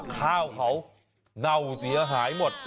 ข้าวเขาเน่าเสียหายหมด